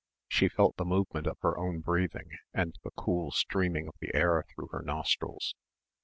She felt the movement of her own breathing and the cool streaming of the air through her nostrils.